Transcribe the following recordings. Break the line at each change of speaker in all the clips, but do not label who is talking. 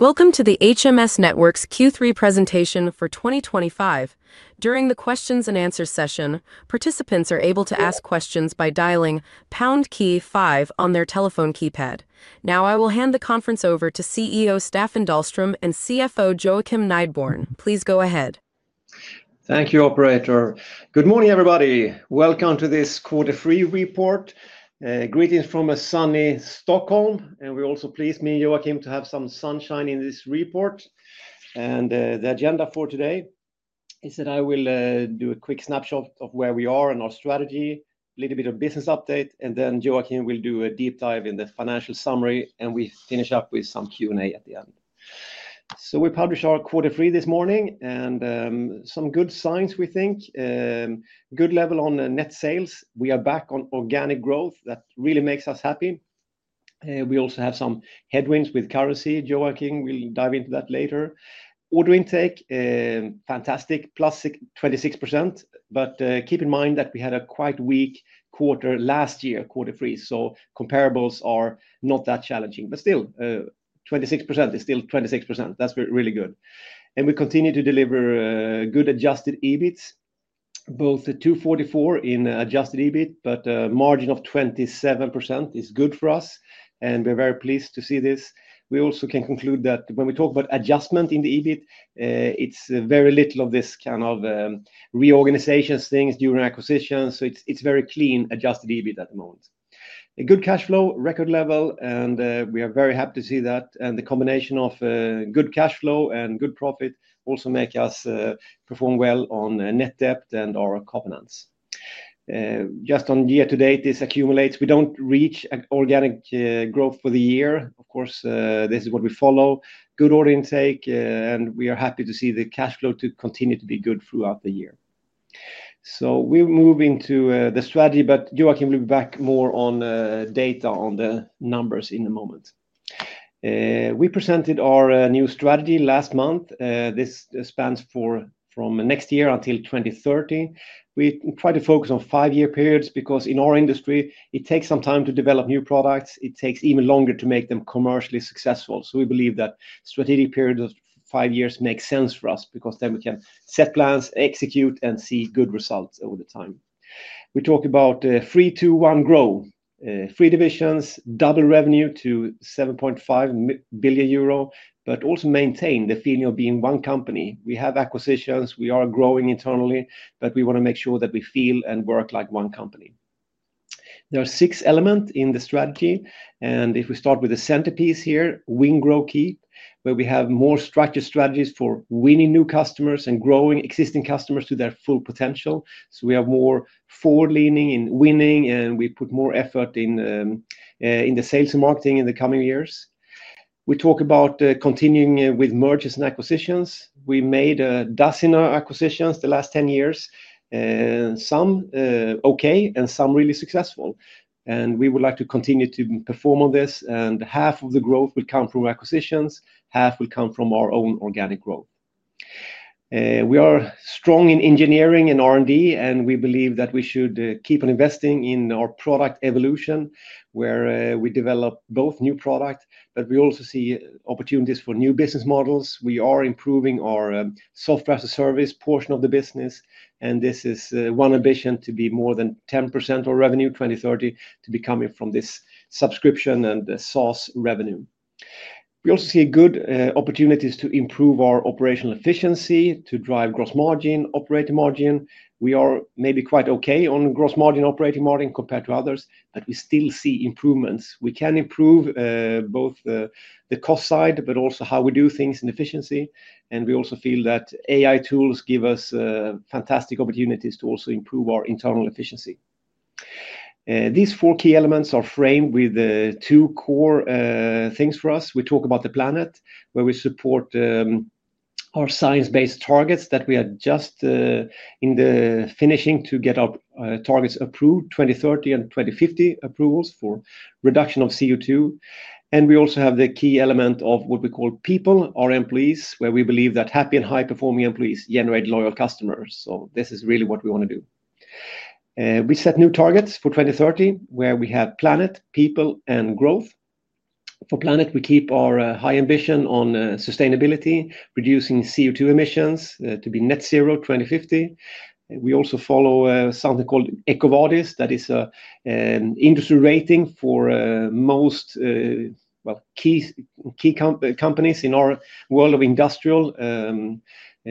Welcome to the HMS Networks Q3 presentation for 2025. During the questions and answers session, participants are able to ask questions by dialing pound key five on their telephone keypad. Now, I will hand the conference over to CEO Staffan Dahlström and CFO Joakim Nideborn. Please go ahead.
Thank you, operator. Good morning, everybody. Welcome to this Q3 report. Greetings from a sunny Stockholm. We're also pleased to have some sunshine in this report. The agenda for today is that I will do a quick snapshot of where we are in our strategy, a little bit of business update, and then Joakim will do a deep dive in the financial summary. We finish up with some Q&A at the end. We published our Q3 this morning, and some good signs, we think. Good level on net sales. We are back on organic growth. That really makes us happy. We also have some headwinds with currency. Joakim will dive into that later. Order intake, fantastic. +26%. Keep in mind that we had a quite weak quarter last year, Q3. Comparables are not that challenging. Still, 26% is still 26%. That's really good. We continue to deliver good adjusted EBIT. Both 244 in adjusted EBIT, but a margin of 27% is good for us. We're very pleased to see this. We also can conclude that when we talk about adjustment in the EBIT, it's very little of this kind of reorganization things during acquisitions. It's very clean adjusted EBIT at the moment. A good cash flow, record level, and we are very happy to see that. The combination of good cash flow and good profit also makes us perform well on net debt and our covenants. Just on year to date, this accumulates. We don't reach organic growth for the year. Of course, this is what we follow. Good order intake, and we are happy to see the cash flow to continue to be good throughout the year. We move into the strategy, but Joakim will be back more on data on the numbers in a moment. We presented our new strategy last month. This spans from next year until 2030. We try to focus on five-year periods because in our industry, it takes some time to develop new products. It takes even longer to make them commercially successful. We believe that strategic periods of five years make sense for us because then we can set plans, execute, and see good results over time. We talk about three, two, one growth. Three divisions, double revenue to 7.5 billion euro, but also maintain the feeling of being one company. We have acquisitions, we are growing internally, but we want to make sure that we feel and work like one company. There are six elements in the strategy. If we start with the centerpiece here, win grow keep, where we have more structured strategies for winning new customers and growing existing customers to their full potential. We have more forward-leaning in winning, and we put more effort in the sales and marketing in the coming years. We talk about continuing with mergers and acquisitions. We made a dozen acquisitions the last 10 years, some okay, and some really successful. We would like to continue to perform on this. Half of the growth will come from acquisitions, half will come from our own organic growth. We are strong in engineering and R&D, and we believe that we should keep on investing in our product evolution, where we develop both new products, but we also see opportunities for new business models. We are improving our software-as-a-service portion of the business, and this is one ambition to be more than 10% of revenue 2030, to be coming from this subscription and the SaaS revenue. We also see good opportunities to improve our operational efficiency, to drive gross margin, operating margin. We are maybe quite okay on gross margin, operating margin compared to others, but we still see improvements. We can improve both the cost side, but also how we do things in efficiency. We also feel that AI tools give us fantastic opportunities to also improve our internal efficiency. These four key elements are framed with two core things for us. We talk about the planet, where we support our science-based targets that we are just in the finishing to get our targets approved, 2030 and 2050 approvals for reduction of CO2. We also have the key element of what we call people, our employees, where we believe that happy and high-performing employees generate loyal customers. This is really what we want to do. We set new targets for 2030, where we have planet, people, and growth. For planet, we keep our high ambition on sustainability, reducing CO2 emissions to be net zero 2050. We also follow something called EcoVadis. That is an industry rating for most key companies in our world of industrial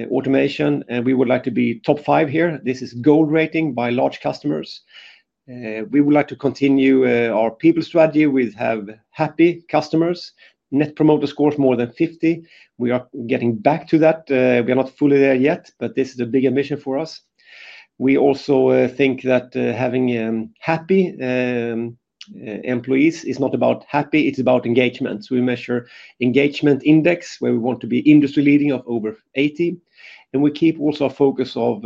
automation, and we would like to be top five here. This is gold rating by large customers. We would like to continue our people strategy with happy customers. Net promoter score is more than 50. We are getting back to that. We are not fully there yet, but this is a big ambition for us. We also think that having happy employees is not about happy. It's about engagement. We measure engagement index, where we want to be industry-leading of over 80. We keep also a focus of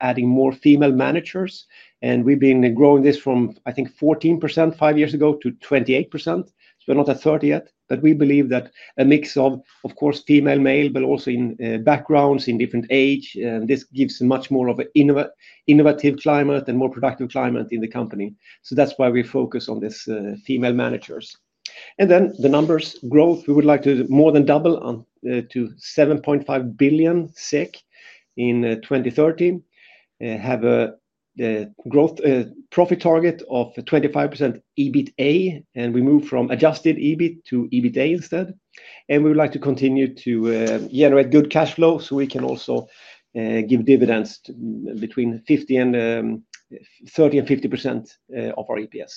adding more female managers. We've been growing this from, I think, 14% five years ago to 28%. We're not at 30% yet. We believe that a mix of, of course, female, male, but also in backgrounds in different ages, gives a much more of an innovative climate and more productive climate in the company. That's why we focus on these female managers. Then the numbers growth. We would like to more than double to 7.5 billion SEK in 2030. Have a profit target of 25% EBITDA. We move from adjusted EBIT to EBITDA instead. We would like to continue to generate good cash flow so we can also give dividends between 30% and 50% of our EPS.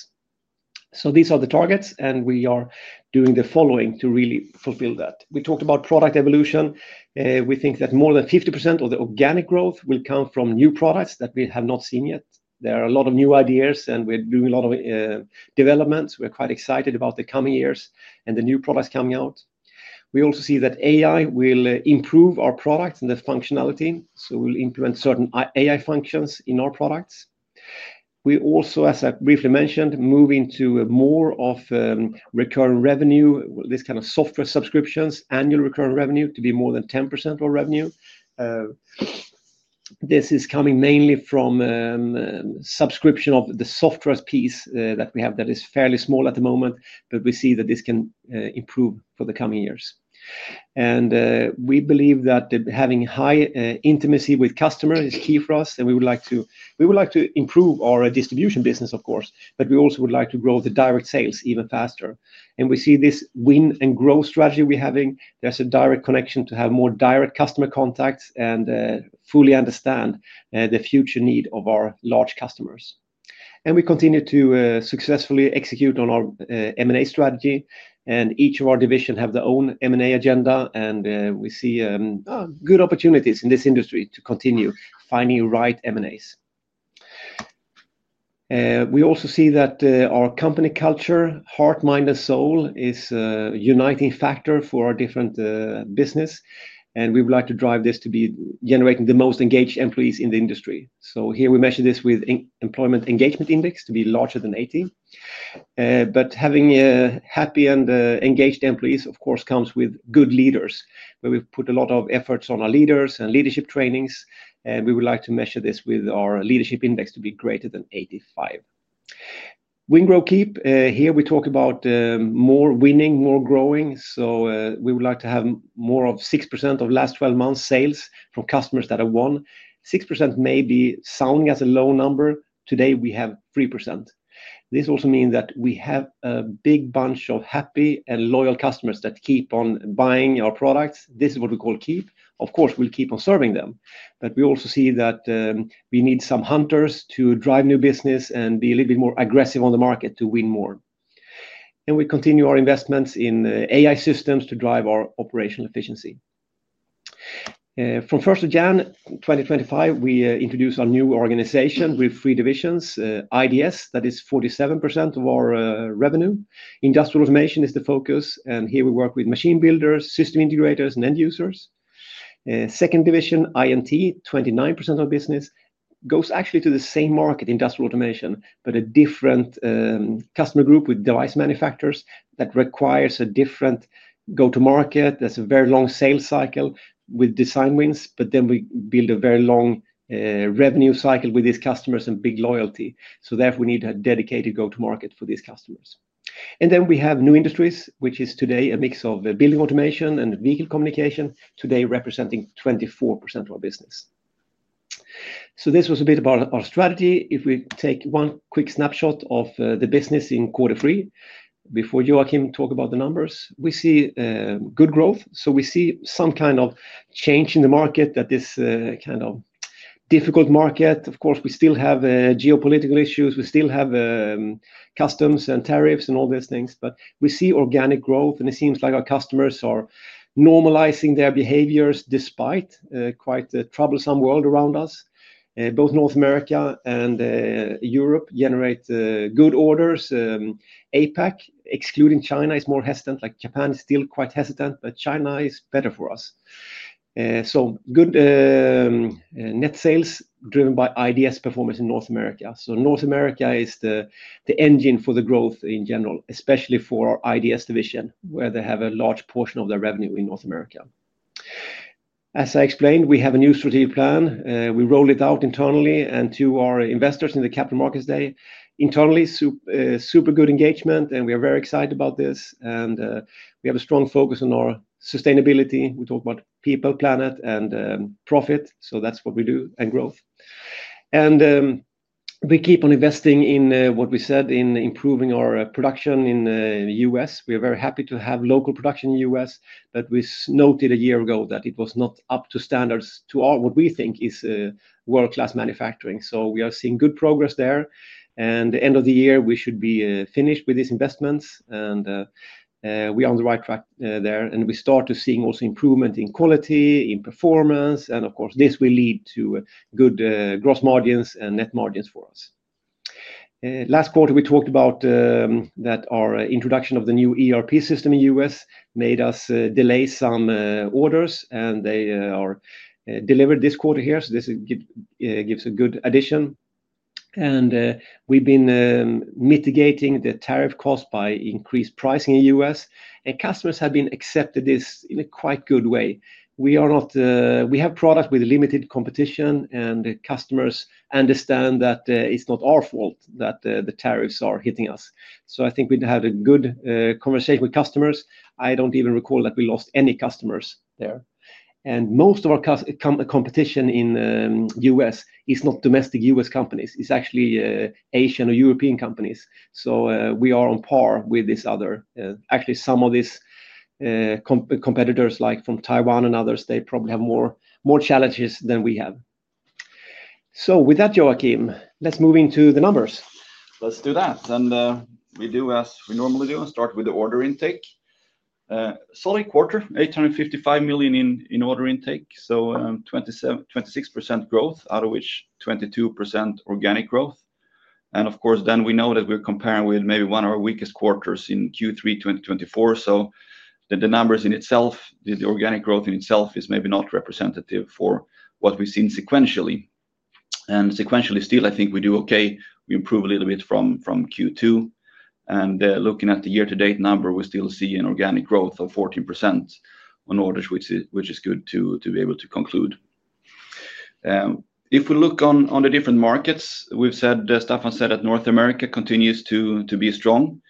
These are the targets, and we are doing the following to really fulfill that. We talked about product evolution. We think that more than 50% of the organic growth will come from new products that we have not seen yet. There are a lot of new ideas, and we're doing a lot of developments. We're quite excited about the coming years and the new products coming out. We also see that AI will improve our products and the functionality. We'll implement certain AI functions in our products. We also, as I briefly mentioned, move into more of recurring revenue, this kind of software subscriptions, annual recurring revenue to be more than 10% of our revenue. This is coming mainly from a subscription of the software piece that we have that is fairly small at the moment. We see that this can improve for the coming years. We believe that having high intimacy with customers is key for us. We would like to improve our distribution business, of course. We also would like to grow the direct sales even faster. We see this win and growth strategy we're having, there's a direct connection to have more direct customer contacts and fully understand the future need of our large customers. We continue to successfully execute on our M&A strategy. Each of our divisions has their own M&A agenda. We see good opportunities in this industry to continue finding the right M&As. We also see that our company culture, heart, mind, and soul is a uniting factor for our different business. We would like to drive this to be generating the most engaged employees in the industry. Here we measure this with the employment engagement index to be larger than 80. But having happy and engaged employees, of course, comes with good leaders. We put a lot of efforts on our leaders and leadership trainings, and we would like to measure this with our leadership index to be greater than 85. Win grow keep. Here we talk about more winning, more growing. We would like to have more of 6% of the last 12 months sales from customers that have won. 6% may sound like a low number. Today we have 3%. This also means that we have a big bunch of happy and loyal customers that keep on buying our products. This is what we call keep. Of course, we'll keep on serving them. We also see that we need some hunters to drive new business and be a little bit more aggressive on the market to win more. We continue our investments in AI-driven improvements to drive our operational efficiency. From January 1st, 2025, we introduce our new organization with three divisions. IDS, that is 47% of our revenue. Industrial automation is the focus, and here we work with machine builders, system integrators, and end users. Second division, INT, 29% of our business goes actually to the same market, industrial automation, but a different customer group with device manufacturers that requires a different go-to-market. That's a very long sales cycle with design wins, but then we build a very long revenue cycle with these customers and big loyalty. Therefore, we need a dedicated go-to-market for these customers. Then we have New Industries, which is today a mix of building automation and vehicle communication, today representing 24% of our business. This was a bit about our strategy. If we take one quick snapshot of the business in Q3, before Joakim talks about the numbers, we see good growth. We see some kind of change in the market, that this kind of difficult market. Of course, we still have geopolitical issues. We still have customs and tariffs and all these things. We see organic growth, and it seems like our customers are normalizing their behaviors despite quite a troublesome world around us. Both North America and Europe generate good orders. APAC, excluding China, is more hesitant. Japan is still quite hesitant, but China is better for us. Good net sales driven by IDS performance in North America. North America is the engine for the growth in general, especially for our IDS division, where they have a large portion of their revenue in North America. As I explained, we have a new strategic plan. We rolled it out internally and to our investors in the Capital Markets Day. Internally, super good engagement. We are very excited about this. We have a strong focus on our sustainability. We talk about people, planet, and profit. That's what we do, and growth. We keep on investing in what we said, in improving our production in the U.S. We are very happy to have local production in the U.S., but we noted a year ago that it was not up to standards to what we think is world-class manufacturing. We are seeing good progress there. At the end of the year, we should be finished with these investments. We are on the right track there. We start to see also improvement in quality, in performance. Of course, this will lead to good gross margins and net margins for us. Last quarter, we talked about that our introduction of the new ERP system in the U.S. made us delay some orders. They are delivered this quarter here. This gives a good addition. We've been mitigating the tariff cost by increased pricing in the U.S., and customers have been accepting this in a quite good way. We have products with limited competition, and customers understand that it's not our fault that the tariffs are hitting us. I think we'd have a good conversation with customers. I don't even recall that we lost any customers there. Most of our competition in the U.S. is not domestic U.S. companies. It's actually Asian or European companies. We are on par with these others. Actually, some of these competitors, like from Taiwan and others, they probably have more challenges than we have. With that, Joakim, let's move into the numbers.
Let's do that. We do as we normally do and start with the order intake. Solid quarter, 855 million in order intake. 26% growth, out of which 22% organic growth. Of course, then we know that we're comparing with maybe one of our weakest quarters in Q3 2024. The numbers in itself, the organic growth in itself is maybe not representative for what we've seen sequentially. Sequentially still, I think we do okay. We improve a little bit from Q2. Looking at the year-to-date number, we still see an organic growth of 14% on orders, which is good to be able to conclude. If we look on the different markets, we've said Staffan said that North America continues to be strong.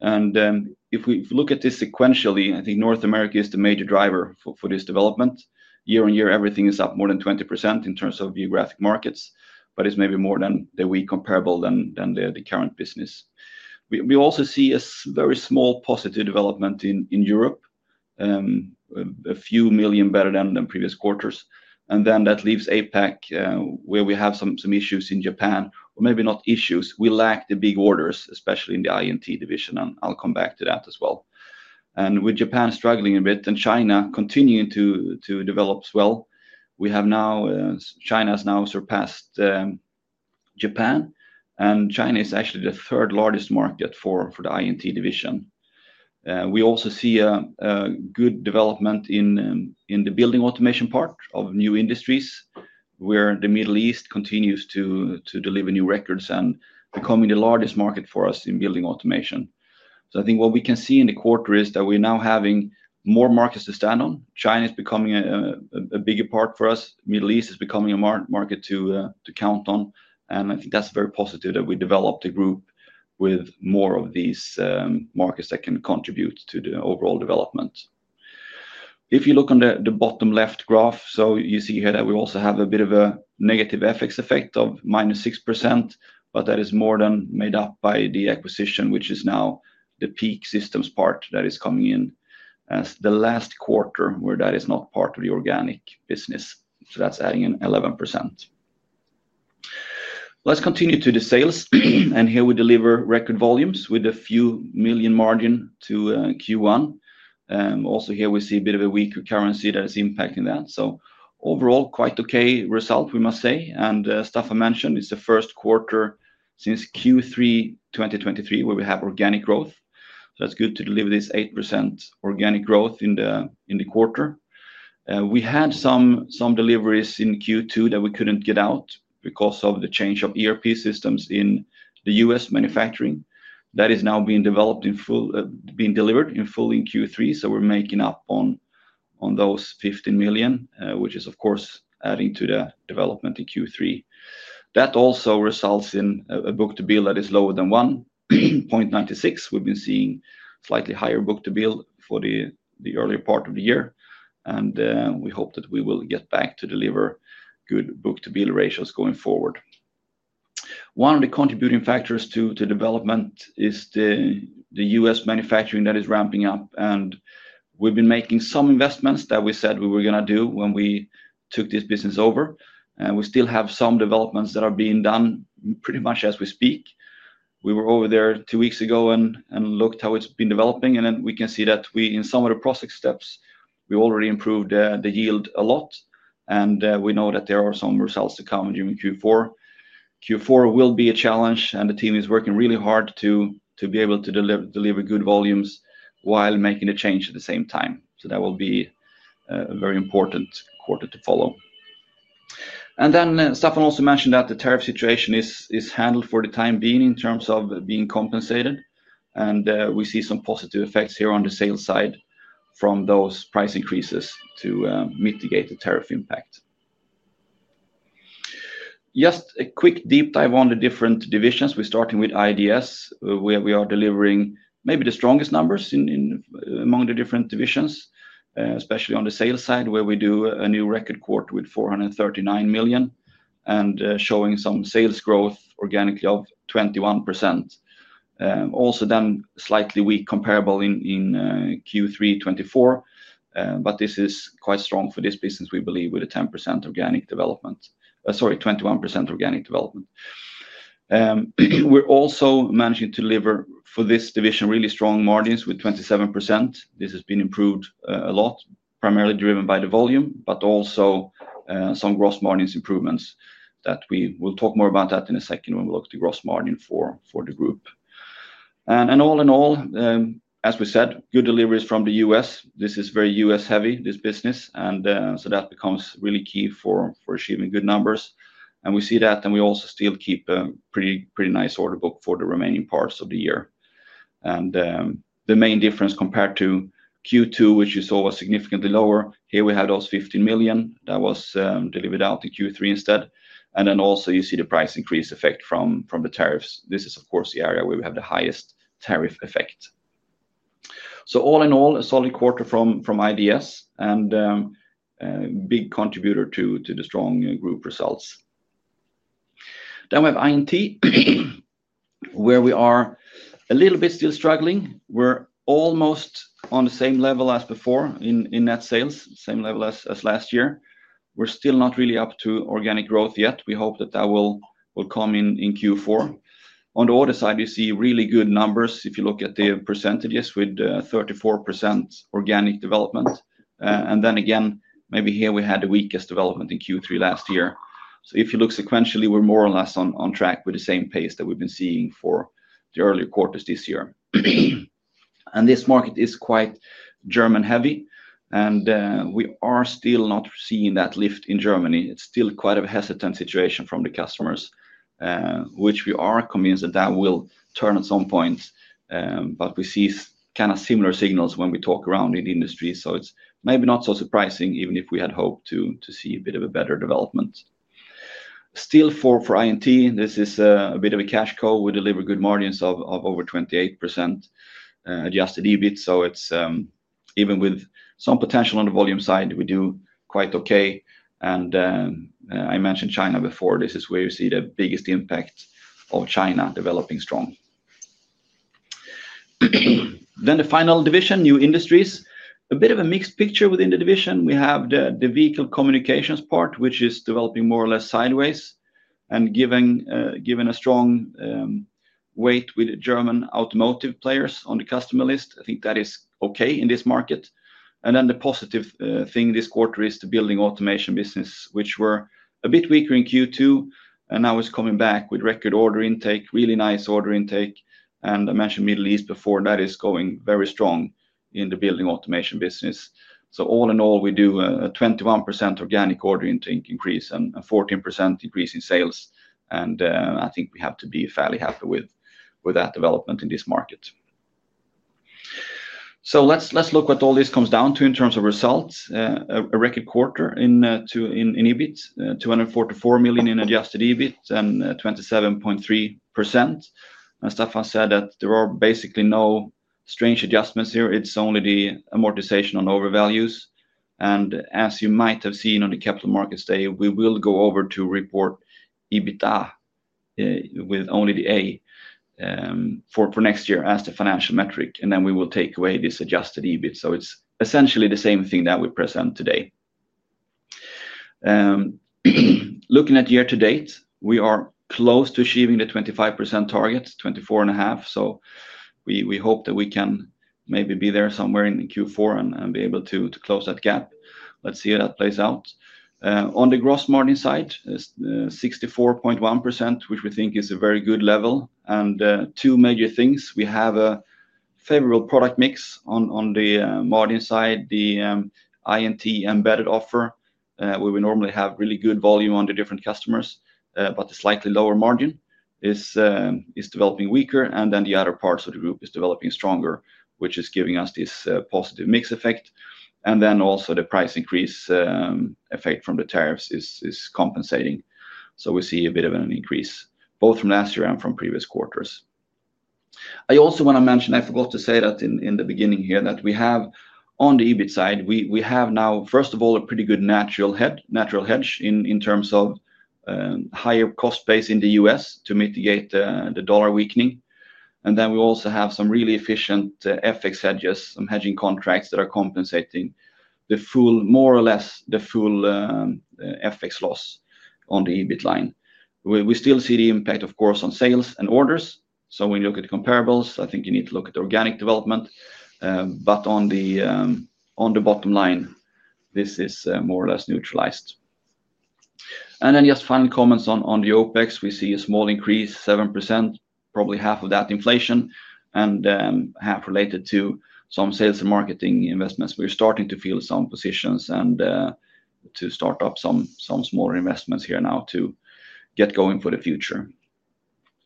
If we look at this sequentially, I think North America is the major driver for this development. Year-on-year, everything is up more than 20% in terms of geographic markets. It is maybe more than the weak comparable than the current business. We also see a very small positive development in Europe, a few million better than the previous quarters. That leaves APAC, where we have some issues in Japan, or maybe not issues. We lack the big orders, especially in the INT division. I'll come back to that as well. With Japan struggling a bit and China continuing to develop as well, China has now surpassed Japan. China is actually the third-largest market for the INT division. We also see a good development in the building automation part of New Industries, where the Middle East continues to deliver new records and is becoming the largest market for us in building automation. I think what we can see in the quarter is that we're now having more markets to stand on. China is becoming a bigger part for us. The Middle East is becoming a market to count on. I think that's very positive that we developed a group with more of these markets that can contribute to the overall development. If you look on the bottom left graph, you see here that we also have a bit of a negative FX effect of -6%. That is more than made up by the acquisition, which is now the Peak Systems part that is coming in as the last quarter where that is not part of the organic business. That's adding an 11%. Let's continue to the sales. Here we deliver record volumes with a few million margin to Q1. Also, here we see a bit of a weaker currency that is impacting that. Overall, quite okay result, we must say. Staffan mentioned it's the first quarter since Q3 2023 where we have organic growth. That's good to deliver this 8% organic growth in the quarter. We had some deliveries in Q2 that we couldn't get out because of the change of ERP systems in the U.S. manufacturing. That is now being delivered in full in Q3. We're making up on those 15 million, which is, of course, adding to the development in Q3. That also results in a book-to-bill that is lower than 1.96. We've been seeing slightly higher book-to-bill for the earlier part of the year. We hope that we will get back to deliver good book-to-bill ratios going forward. One of the contributing factors to development is the U.S. manufacturing that is ramping up. We've been making some investments that we said we were going to do when we took this business over. We still have some developments that are being done pretty much as we speak. We were over there two weeks ago and looked at how it's been developing. We can see that in some of the process steps, we've already improved the yield a lot. We know that there are some results to come in during Q4. Q4 will be a challenge. The team is working really hard to be able to deliver good volumes while making the change at the same time. That will be a very important quarter to follow. Staffan also mentioned that the tariff situation is handled for the time being in terms of being compensated. We see some positive effects here on the sales side from those price increases to mitigate the tariff impact. Just a quick deep dive on the different divisions. We're starting with IDS. We are delivering maybe the strongest numbers among the different divisions, especially on the sales side, where we do a new record quarter with 439 million and showing some sales growth organically of 21%. Also, then slightly weak comparable in Q3 2024. This is quite strong for this business, we believe, with a 10% organic development. Sorry, 21% organic development. We're also managing to deliver for this division really strong margins with 27%. This has been improved a lot, primarily driven by the volume, but also some gross margin improvements that we will talk more about in a second when we look at the gross margin for the group. All in all, as we said, good deliveries from the U.S. This is very U.S.-heavy, this business. That becomes really key for achieving good numbers. We see that. We also still keep a pretty nice order book for the remaining parts of the year. The main difference compared to Q2, which you saw was significantly lower, here we have those 15 million that was delivered out in Q3 instead. You also see the price increase effect from the tariffs. This is, of course, the area where we have the highest tariff effect. All in all, a solid quarter from IDS and a big contributor to the strong group results. We have INT, where we are a little bit still struggling. We're almost on the same level as before in net sales, same level as last year. We're still not really up to organic growth yet. We hope that will come in Q4. On the order side, you see really good numbers if you look at the percentages with 34% organic development. Again, maybe here we had the weakest development in Q3 last year. If you look sequentially, we're more or less on track with the same pace that we've been seeing for the earlier quarters this year. This market is quite German heavy, and we are still not seeing that lift in Germany. It's still quite a hesitant situation from the customers, which we are convinced that will turn at some point. We see kind of similar signals when we talk around in the industry. It's maybe not so surprising, even if we had hoped to see a bit of a better development. Still, for INT, this is a bit of a cash cow. We deliver good margins of over 28% adjusted EBIT, so even with some potential on the volume side, we do quite okay. I mentioned China before. This is where you see the biggest impact of China developing strong. The final division, New Industries, is a bit of a mixed picture within the division. We have the vehicle communications part, which is developing more or less sideways. Given a strong weight with the German automotive players on the customer list, I think that is okay in this market. The positive thing this quarter is the building automation business, which was a bit weaker in Q2 and now is coming back with record order intake, really nice order intake. I mentioned Middle East before. That is going very strong in the building automation business. All in all, we do a 21% organic order intake increase and a 14% increase in sales. I think we have to be fairly happy with that development in this market. Let's look at what all this comes down to in terms of results. A record quarter in EBIT, 244 million in adjusted EBIT and 27.3%. Staffan said that there are basically no strange adjustments here. It's only the amortization on overvalues. As you might have seen on the Capital Markets Day, we will go over to report EBITDA with only the A for next year as the financial metric, and then we will take away this adjusted EBIT. It's essentially the same thing that we present today. Looking at year to date, we are close to achieving the 25% target, 24.5%. We hope that we can maybe be there somewhere in Q4 and be able to close that gap. Let's see how that plays out. On the gross margin side, it's 64.1%, which we think is a very good level. Two major things: we have a favorable product mix on the margin side, the INT embedded offer, where we normally have really good volume on the different customers, but the slightly lower margin is developing weaker. The other parts of the group are developing stronger, which is giving us this positive mix effect. The price increase effect from the tariffs is compensating. We see a bit of an increase both from last year and from previous quarters. I also want to mention, I forgot to say that in the beginning here, that we have on the EBIT side, we have now, first of all, a pretty good natural hedge in terms of higher cost base in the U.S. to mitigate the dollar weakening. We also have some really efficient FX hedges, some hedging contracts that are compensating more or less the full FX loss on the EBIT line. We still see the impact, of course, on sales and orders. When you look at comparables, I think you need to look at organic development. On the bottom line, this is more or less neutralized. Final comments on the OpEx: we see a small increase, 7%, probably half of that inflation and half related to some sales and marketing investments. We're starting to fill some positions and to start up some small investments here now to get going for the future.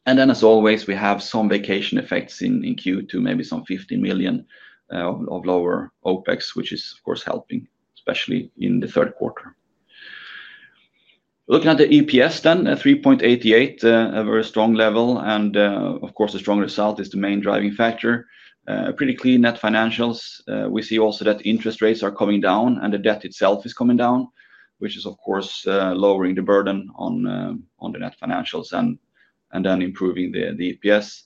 As always, we have some vacation effects in Q2, maybe some 15 million of lower OpEx, which is, of course, helping, especially in the third quarter. Looking at the EPS then, 3.88, a very strong level. A strong result is the main driving factor. Pretty clean net financials. We see also that interest rates are coming down and the debt itself is coming down, which is, of course, lowering the burden on the net financials and then improving the EPS.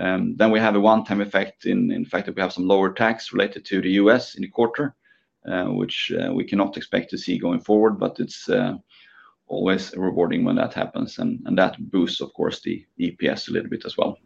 We have a one-time effect in the fact that we have some lower tax related to the U.S. in the quarter, which we cannot expect to see going forward. It's always rewarding when that happens. That boosts, of course, the EPS a little bit as well.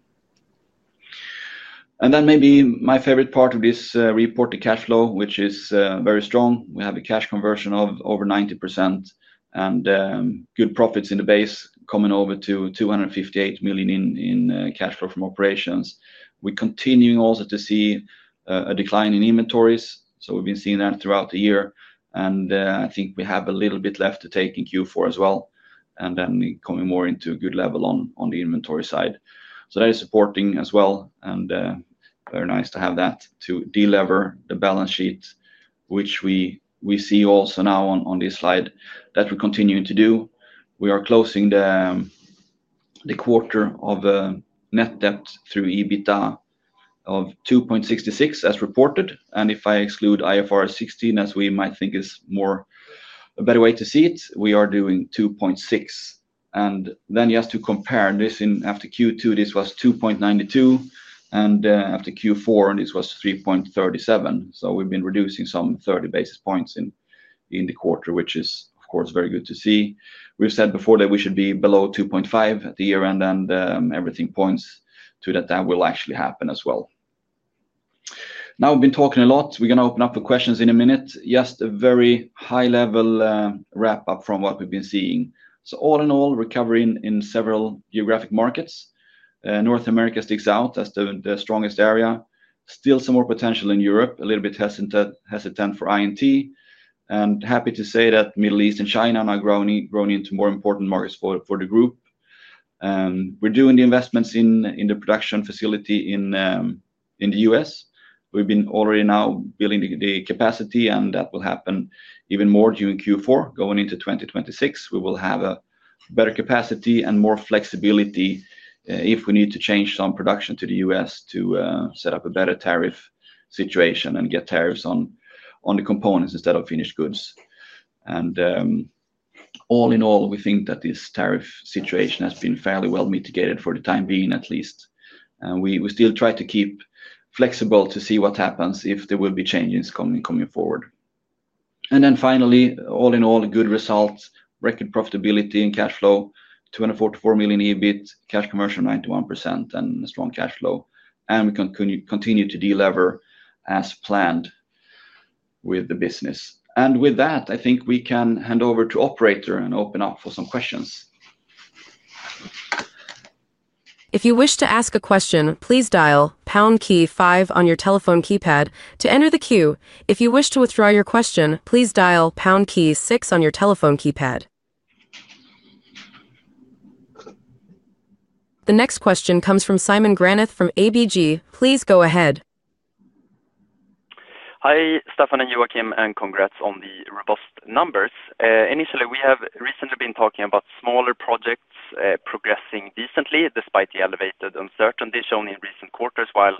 Maybe my favorite part of this report, the cash flow, which is very strong. We have a cash conversion of over 90% and good profits in the base coming over to 258 million in cash flow from operations. We're continuing also to see a decline in inventories. We've been seeing that throughout the year. I think we have a little bit left to take in Q4 as well, and then coming more into a good level on the inventory side. That is supporting as well. Very nice to have that to delever the balance sheet, which we see also now on this slide that we're continuing to do. We are closing the quarter at net debt/EBITDA of 2.66 as reported. If I exclude IFRS 16, as we might think is a better way to see it, we are doing 2.6. Just to compare this, after Q2, this was 2.92, and after Q4, this was 3.37. We've been reducing some 30 basis points in the quarter, which is, of course, very good to see. We've said before that we should be below 2.5 at the year end, and everything points to that actually happening as well. We've been talking a lot. We're going to open up for questions in a minute. Just a very high-level wrap-up from what we've been seeing: all in all, recovering in several geographic markets. North America sticks out as the strongest area. Still some more potential in Europe, a little bit hesitant for INT. Happy to say that Middle East and China are now growing into more important markets for the group. We're doing the investments in the production facility in the U.S. We've already now been building the capacity, and that will happen even more during Q4. Going into 2026, we will have better capacity and more flexibility if we need to change some production to the U.S. to set up a better tariff situation and get tariffs on the components instead of finished goods. All in all, we think that this tariff situation has been fairly well mitigated for the time being, at least. We still try to keep flexible to see what happens if there will be changes coming forward. Finally, all in all, good results, record profitability in cash flow, 244 million EBIT, cash conversion 91%, and a strong cash flow. We can continue to delever as planned with the business. With that, I think we can hand over to operator and open up for some questions.
If you wish to ask a question, please dial pound key five on your telephone keypad to enter the queue. If you wish to withdraw your question, please dial pond key six on your telephone keypad. The next question comes from Simon Granath from ABG. Please go ahead.
Hi, Staffan and Joakim, and congrats on the robust numbers. Initially, we have recently been talking about smaller projects progressing decently despite the elevated uncertainty shown in recent quarters, while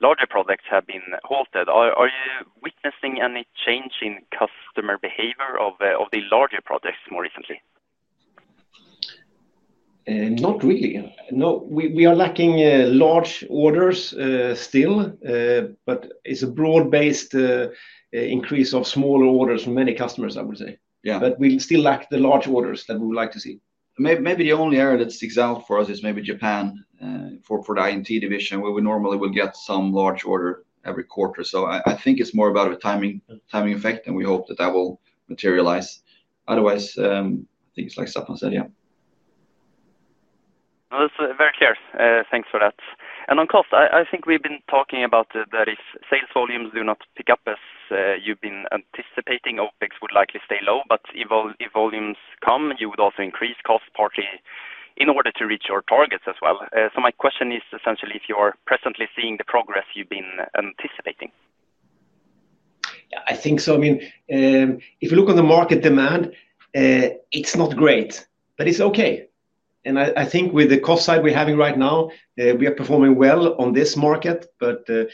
larger projects have been halted. Are you witnessing any change in customer behavior of the larger projects more recently?
No, we are lacking large orders still. It's a broad-based increase of smaller orders from many customers, I would say. We still lack the large orders that we would like to see. Maybe the only area that sticks out for us is maybe Japan for the INT division, where we normally will get some large order every quarter. I think it's more about a timing effect, and we hope that that will materialize. Otherwise, I think it's like Staffan said, yeah.
Very clear. Thanks for that. On cost, I think we've been talking about that if sales volumes do not pick up as you've been anticipating, OpEx would likely stay low. If volumes come, you would also increase cost partly in order to reach your targets as well. My question is essentially if you are presently seeing the progress you've been anticipating?
Yeah, I think so. I mean, if you look on the market demand, it's not great, but it's okay. I think with the cost side we're having right now, we are performing well on this market. To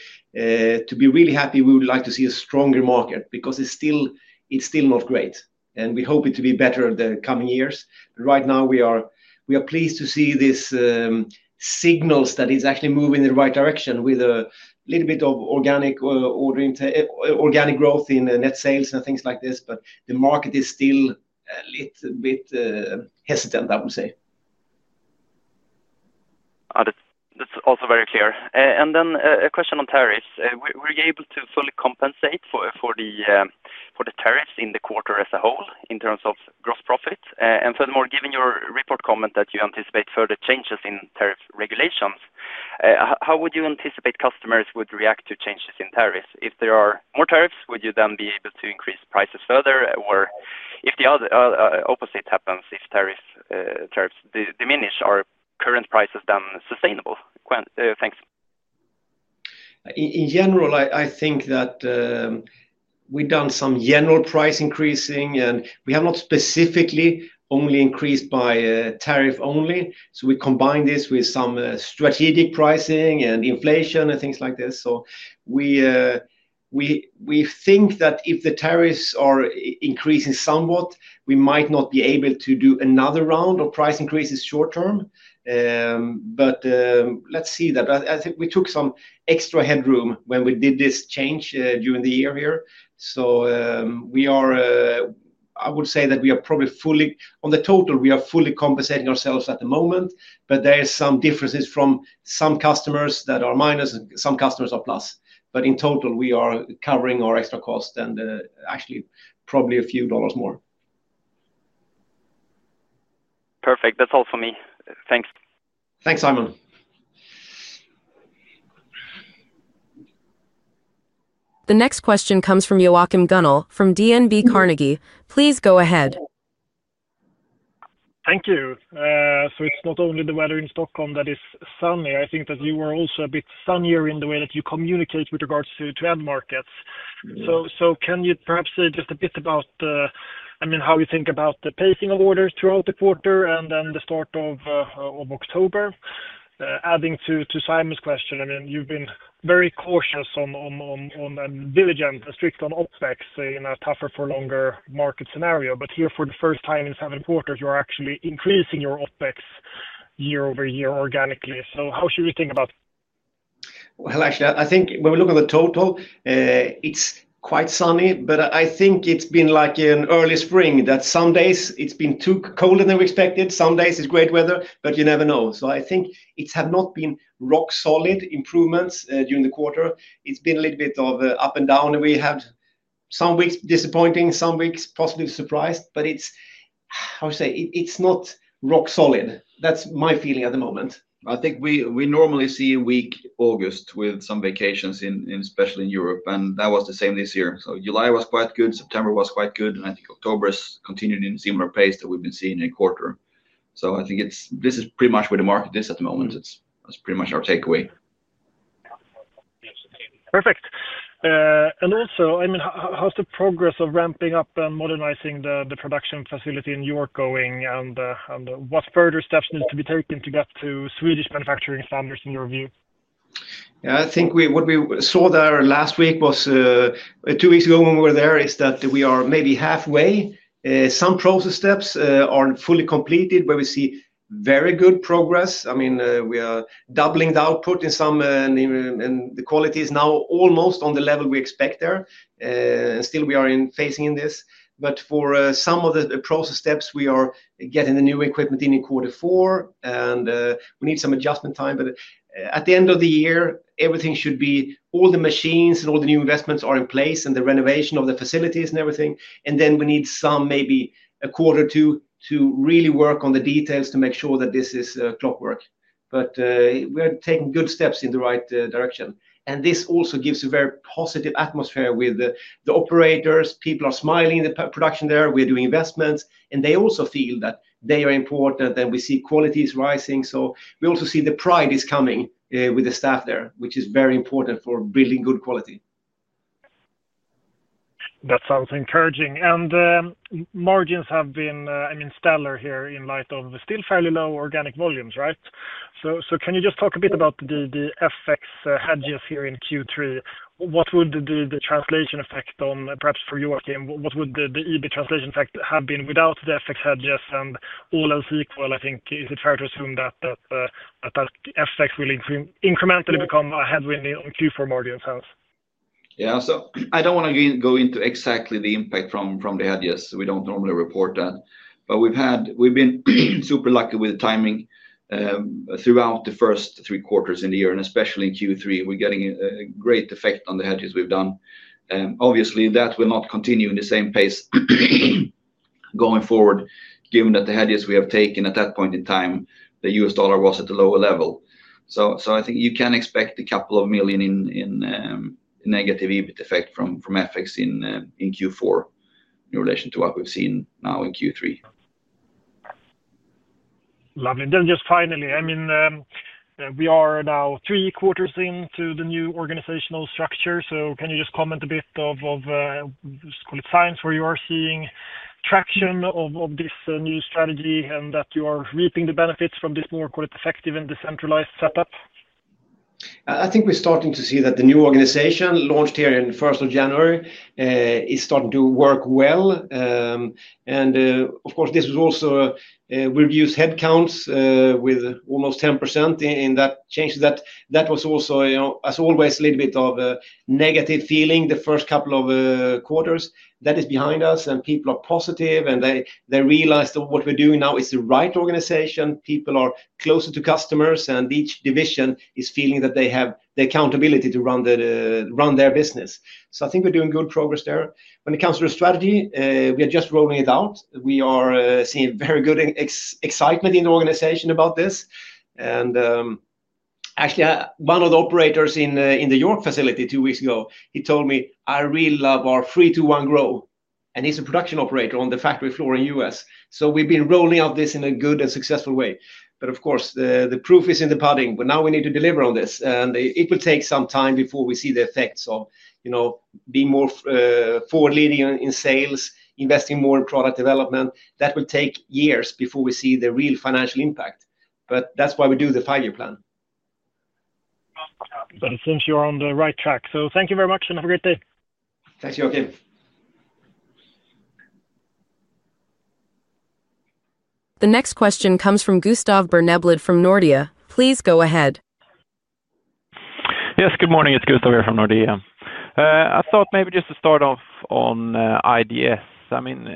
be really happy, we would like to see a stronger market because it's still not great. We hope it to be better in the coming years. Right now, we are pleased to see these signals that it's actually moving in the right direction with a little bit of organic growth in net sales and things like this. The market is still a little bit hesitant, I would say.
That's also very clear. A question on tariffs. Were you able to fully compensate for the tariffs in the quarter as a whole in terms of gross profit? Furthermore, given your report comment that you anticipate further changes in tariff regulations, how would you anticipate customers would react to changes in tariffs? If there are more tariffs, would you then be able to increase prices further? If the opposite happens, if tariffs diminish, are current prices then sustainable? Thanks.
In general, I think that we've done some general price increasing. We have not specifically only increased by tariff only. We combined this with some strategic pricing and inflation and things like this. We think that if the tariffs are increasing somewhat, we might not be able to do another round of price increases short term. Let's see that. I think we took some extra headroom when we did this change during the year here. I would say that we are probably fully on the total, we are fully compensating ourselves at the moment. There are some differences from some customers that are minus and some customers are plus. In total, we are covering our extra cost and actually probably a few dollars more.
Perfect. That's all for me. Thanks.
Thanks, Simon.
The next question comes from Joachim Gunell from DNB Carnegie. Please go ahead.
Thank you. It's not only the weather in Stockholm that is sunny. I think that you are also a bit sunnier in the way that you communicate with regards to end markets. Can you perhaps say just a bit about how you think about the pacing of orders throughout the quarter and then the start of October? Adding to Simon's question, you've been very cautious and diligent and strict on OpEx in a tougher for longer market scenario. Here, for the first time in seven quarters, you are actually increasing your OpEx year over year organically. How should we think about it?
I think when we look at the total, it's quite sunny. I think it's been like in early spring that some days it's been colder than we expected. Some days it's great weather. You never know. I think it has not been rock-solid improvements during the quarter. It's been a little bit of up and down. We had some weeks disappointing, some weeks possibly surprised. I would say it's not rock solid. That's my feeling at the moment.
I think we normally see a weak August with some vacations, especially in Europe. That was the same this year. July was quite good. September was quite good. I think October has continued in a similar pace that we've been seeing in a quarter. I think this is pretty much where the market is at the moment. That's pretty much our takeaway.
Perfect. Also, I mean, how's the progress of ramping up and modernizing the production facility in York going? What further steps need to be taken to get to Swedish manufacturing standards in your view?
Yeah, I think what we saw there last week or two weeks ago when we were there is that we are maybe halfway. Some process steps are fully completed where we see very good progress. I mean, we are doubling the output in some, and the quality is now almost on the level we expect there. Still, we are facing this. For some of the process steps, we are getting the new equipment in in Q4, and we need some adjustment time. At the end of the year, everything should be—all the machines and all the new investments are in place and the renovation of the facilities and everything. We need maybe a quarter or two to really work on the details to make sure that this is clockwork. We are taking good steps in the right direction. This also gives a very positive atmosphere with the operators. People are smiling in the production there. We're doing investments, and they also feel that they are important. We see quality is rising, so we also see the pride is coming with the staff there, which is very important for building good quality.
That sounds encouraging. Margins have been, I mean, stellar here in light of still fairly low organic volumes, right? Can you just talk a bit about the FX hedges here in Q3? What would the translation effect on, perhaps for you, Joakim, what would the EBIT translation effect have been without the FX hedges and all else equal? I think is it fair to assume that FX will incrementally become a headwind in Q4 margin sense?
Yeah, I don't want to go into exactly the impact from the hedges. We don't normally report that. We've been super lucky with the timing throughout the first three quarters in the year, especially in Q3. We're getting a great effect on the hedges we've done. Obviously, that will not continue at the same pace going forward, given that the hedges we have taken at that point in time, the U.S. dollar was at a lower level. I think you can expect a couple of million in negative EBIT effect from FX in Q4 in relation to what we've seen now in Q3.
Lovely. Finally, we are now three quarters into the new organizational structure. Can you just comment a bit on, just call it, signs where you are seeing traction of this new strategy and that you are reaping the benefits from this more effective and decentralized setup?
I think we're starting to see that the new organization launched here on the first of January is starting to work well. Of course, this also reduced headcounts by almost 10% in that change. That was also, as always, a little bit of a negative feeling the first couple of quarters. That is behind us. People are positive, and they realize that what we're doing now is the right organization. People are closer to customers, and each division is feeling that they have the accountability to run their business. I think we're doing good progress there. When it comes to the strategy, we are just rolling it out. We are seeing very good excitement in the organization about this. Actually, one of the operators in the York facility two weeks ago told me, "I really love our three-to-one grow." He's a production operator on the factory floor in the U.S. We've been rolling out this in a good and successful way. Of course, the proof is in the pudding. Now we need to deliver on this, and it will take some time before we see the effects of being more forward-leaning in sales, investing more in product development. That will take years before we see the real financial impact. That's why we do the five-year plan.
It seems you're on the right track. Thank you very much and have a great day.
Thanks, Joachim.
The next question comes from Gustav Berneblad from Nordea. Please go ahead.
Yes, good morning. It's Gustav here from Nordea. I thought maybe just to start off on IDS. I mean,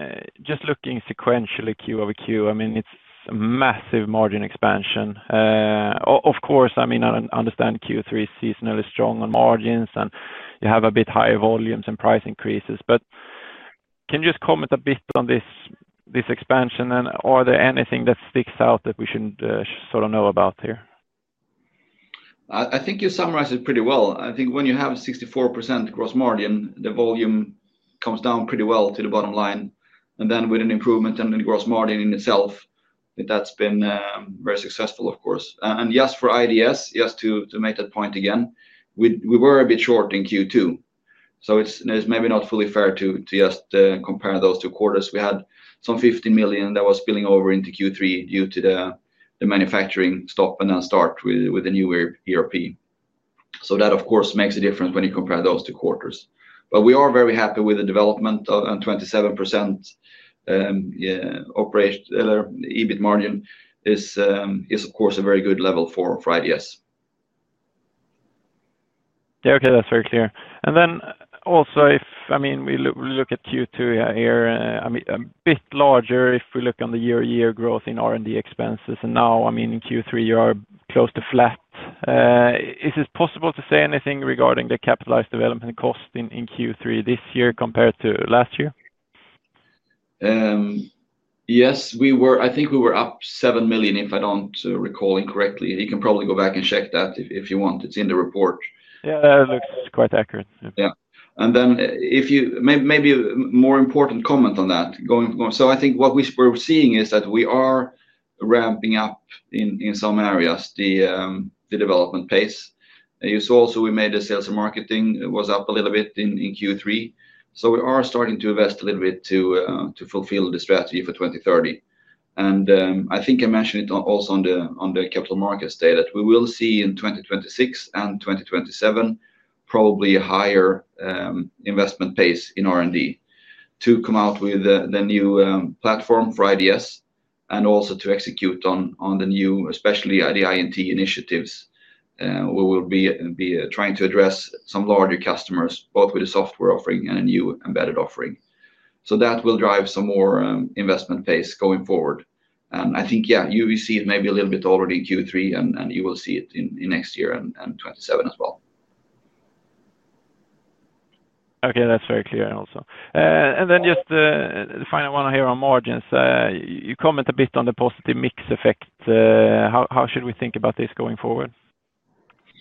just looking sequentially Q over Q, it's a massive margin expansion. Of course, I understand Q3 is seasonally strong on margins, and you have a bit higher volumes and price increases. Can you just comment a bit on this expansion? Are there anything that sticks out that we should sort of know about here?
I think you summarized it pretty well. I think when you have 64% gross margin, the volume comes down pretty well to the bottom line. With an improvement in the gross margin in itself, that's been very successful, of course. Just for IDS, just to make that point again, we were a bit short in Q2. It's maybe not fully fair to just compare those two quarters. We had some 15 million that was spilling over into Q3 due to the manufacturing stop and then start with a new ERP. That, of course, makes a difference when you compare those two quarters. We are very happy with the development. 27% EBIT margin is, of course, a very good level for IDS.
Okay, that's very clear. If we look at Q2 here, a bit larger if we look on the year-on-year growth in R&D expenses. Now, in Q3, you are close to flat. Is it possible to say anything regarding the capitalized development cost in Q3 this year compared to last year?
Yes, I think we were up 7 million, if I don't recall incorrectly. You can probably go back and check that if you want. It's in the report.
Yeah, it looks quite accurate.
Yeah. Maybe a more important comment on that. I think what we're seeing is that we are ramping up in some areas the development pace. You saw also we made the sales and marketing was up a little bit in Q3. We are starting to invest a little bit to fulfill the strategy for 2030. I think I mentioned it also on the Capital Markets Day that we will see in 2026 and 2027 probably a higher investment pace in R&D to come out with the new platform for IDS and also to execute on the new, especially the INT initiatives. We will be trying to address some larger customers, both with a software offering and a new embedded offering. That will drive some more investment pace going forward. I think you received maybe a little bit already in Q3. You will see it in next year and 2027 as well.
OK, that's very clear also. Just the final one here on margins. You comment a bit on the positive mix effect. How should we think about this going forward,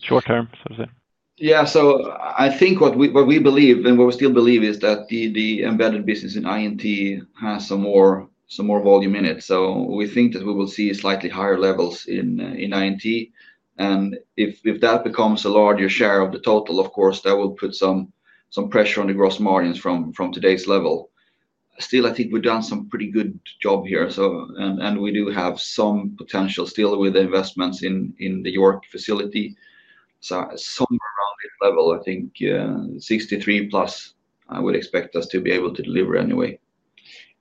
short term, so to say?
I think what we believe and what we still believe is that the embedded business in INT has some more volume in it. We think that we will see slightly higher levels in INT. If that becomes a larger share of the total, of course, that will put some pressure on the gross margins from today's level. Still, I think we've done some pretty good job here. We do have some potential still with investments in the York facility. Somewhere around this level, I think 63%+, I would expect us to be able to deliver anyway.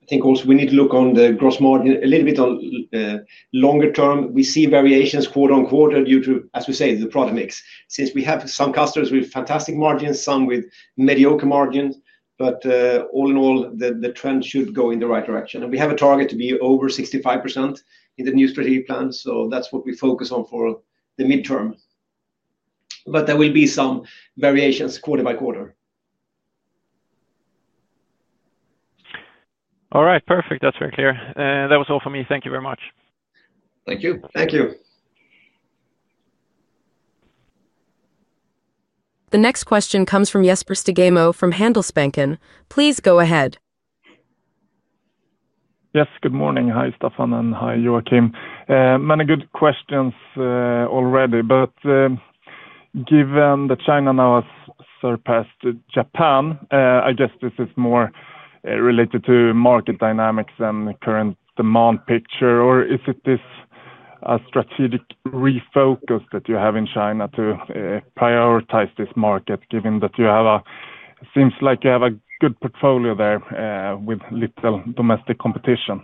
I think also we need to look on the gross margin a little bit on longer term. We see variations quarter on quarter due to, as we say, the product mix. We have some customers with fantastic margins, some with mediocre margins. All in all, the trend should go in the right direction. We have a target to be over 65% in the new strategic plan. That's what we focus on for the midterm. There will be some variations quarter by quarter.
All right, perfect. That's very clear. That was all for me. Thank you very much.
Thank you.
Thank you.
The next question comes from Jesper Stugemo from Handelsbanken. Please go ahead.
Yes, good morning. Hi, Staffan, and hi, Joakim. Many good questions already. Given that China now has surpassed Japan, I guess this is more related to market dynamics and the current demand picture. Is it this strategic refocus that you have in China to prioritize this market, given that it seems like you have a good portfolio there with little domestic competition?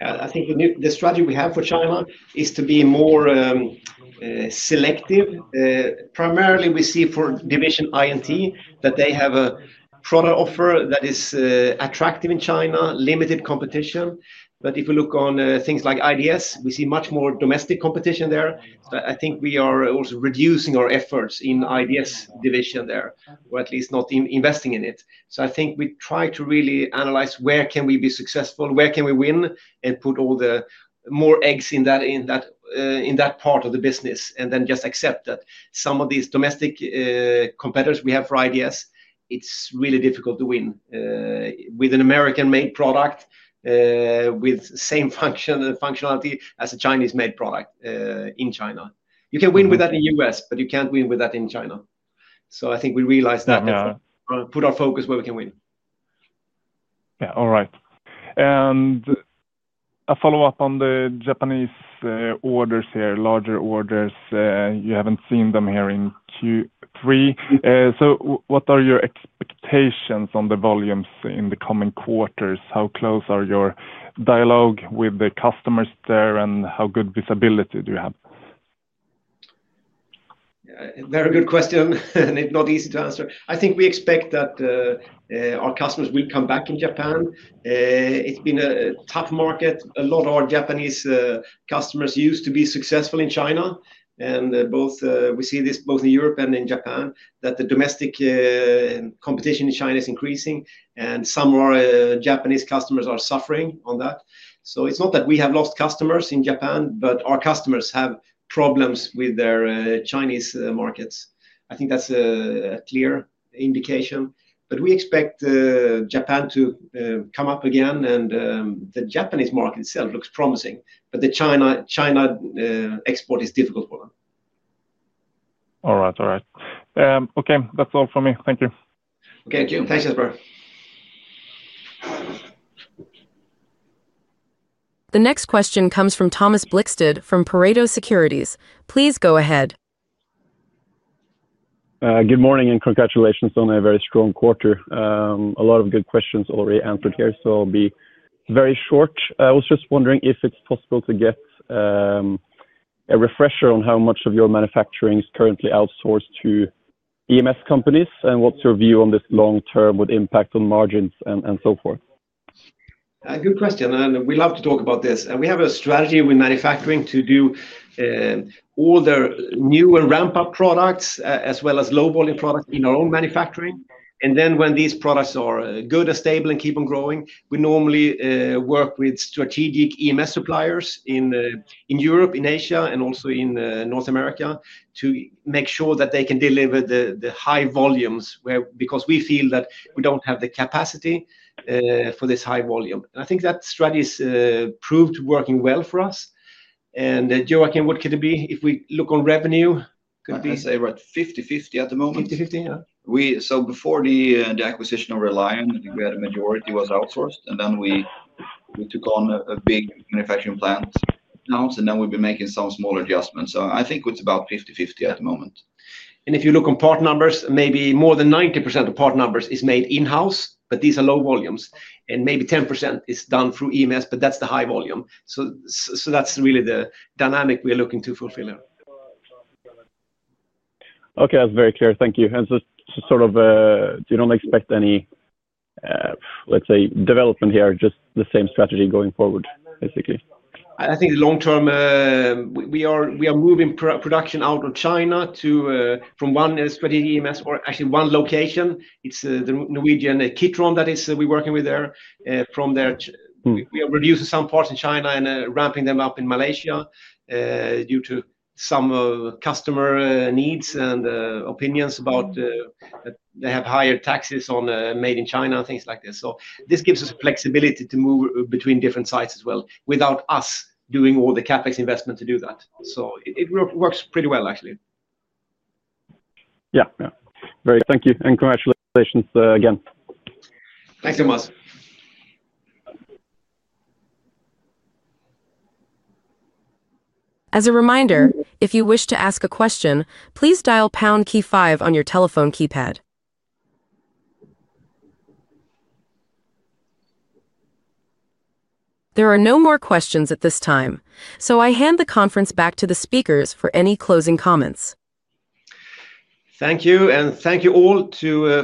Yeah, I think the strategy we have for China is to be more selective. Primarily, we see for division INT that they have a product offer that is attractive in China, limited competition. If we look on things like IDS, we see much more domestic competition there. I think we are also reducing our efforts in IDS division there, or at least not investing in it. I think we try to really analyze where can we be successful, where can we win, and put all the more eggs in that part of the business and then just accept that some of these domestic competitors we have for IDS, it's really difficult to win with an American-made product with the same functionality as a Chinese-made product in China. You can win with that in the U.S., but you can't win with that in China. I think we realized that and put our focus where we can win.
All right. A follow-up on the Japanese orders here, larger orders. You haven't seen them here in Q3. What are your expectations on the volumes in the coming quarters? How close are your dialogues with the customers there? How good visibility do you have?
Very good question. It's not easy to answer. I think we expect that our customers will come back in Japan. It's been a tough market. A lot of our Japanese customers used to be successful in China. We see this both in Europe and in Japan, that the domestic competition in China is increasing. Some of our Japanese customers are suffering on that. It's not that we have lost customers in Japan. Our customers have problems with their Chinese markets. I think that's a clear indication. We expect Japan to come up again. The Japanese market itself looks promising. The China export is difficult for them.
All right, all right. Okay, that's all for me. Thank you.
OK, thank you, Jesper.
The next question comes from Thomas Blikstad from Pareto Securities. Please go ahead.
Good morning. Congratulations on a very strong quarter. A lot of good questions already answered here. I'll be very short. I was just wondering if it's possible to get a refresher on how much of your manufacturing is currently outsourced to EMS partners, and what's your view on this long term with impact on margins and so forth?
Good question. We love to talk about this. We have a strategy with manufacturing to do all the new and ramp-up products, as well as low volume products in our own manufacturing. When these products are good and stable and keep on growing, we normally work with strategic EMS partners in Europe, in Asia, and also in North America to make sure that they can deliver the high volumes because we feel that we don't have the capacity for this high volume. I think that strategy has proved working well for us. Joakim, what could it be if we look on revenue?
I'd say about 50/50 at the moment.
50/50, yeah.
Before the acquisition of Red Lion, I think we had a majority that was outsourced. Then we took on a big manufacturing plant in-house, and we've been making some small adjustments. I think it's about 50/50 at the moment.
If you look on part numbers, maybe more than 90% of part numbers is made in-house. These are low volumes, and maybe 10% is done through EMS. That's the high volume. That's really the dynamic we are looking to fulfill here.
OK, that's very clear. Thank you. You don't expect any, let's say, development here, just the same strategy going forward, basically.
I think the long term, we are moving production out of China from one strategic EMS partner or actually one location. It's the Norwegian Kitron that we're working with there. We are reducing some parts in China and ramping them up in Malaysia due to some customer needs and opinions about they have higher taxes on made in China and things like this. This gives us flexibility to move between different sites as well without us doing all the CapEx investment to do that. It works pretty well, actually.
Yeah, thank you. Congratulations again.
Thanks so much.
As a reminder, if you wish to ask a question, please dial pound key five on your telephone keypad. There are no more questions at this time. I hand the conference back to the speakers for any closing comments.
Thank you. Thank you all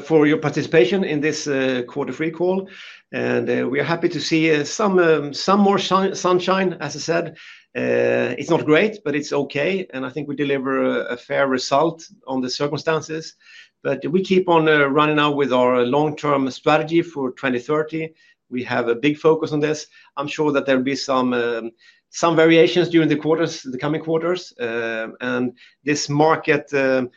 for your participation in this Q3 call. We are happy to see some more sunshine, as I said. It's not great, but it's okay. I think we deliver a fair result under the circumstances. We keep on running out with our long-term strategy for 2030. We have a big focus on this. I'm sure that there will be some variations during the coming quarters. This market,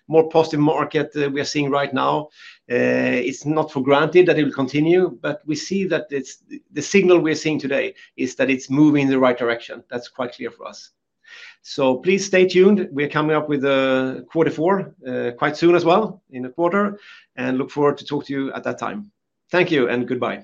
more positive market we are seeing right now, it's not for granted that it will continue. We see that the signal we are seeing today is that it's moving in the right direction. That's quite clear for us. Please stay tuned. We are coming up with Q4 quite soon as well in the quarter. Look forward to talking to you at that time. Thank you. Goodbye.